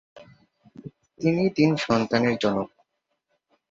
তিনি তিন সন্তানের জনক।